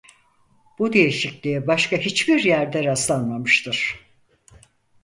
Bu değişikliğe başka hiçbir yerde rastlanmamıştır.